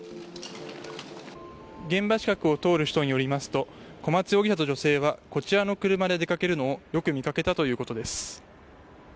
現場近くを通る人によりますと小松容疑者と女性はこちらの車で出掛けるのをよく見掛けたということです。